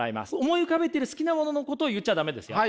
思い浮かべてる好きなもののことを言っちゃ駄目ですよ。